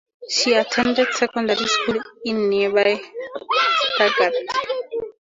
She attended secondary school in nearby Stuttgart.